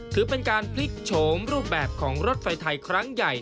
ถือเป็นการพลิกโฉมรูปแบบของรถไฟไทยครั้งใหญ่